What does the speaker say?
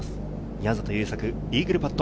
宮里優作、イーグルパット。